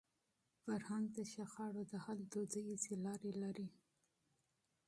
فرهنګ د شخړو د حل دودیزي لارې لري.